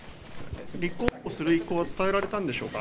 立候補する意向は伝えられたんでしょうか。